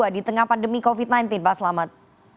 di tengah pandemi covid sembilan belas pak selamat